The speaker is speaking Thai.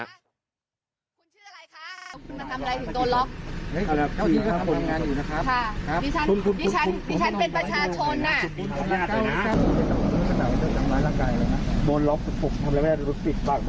คุณชื่ออะไรคะ